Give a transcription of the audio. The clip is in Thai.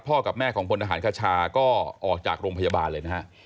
กับแม่ของพลทหารคชาก็ออกจากโรงพยาบาลเลยนะฮะ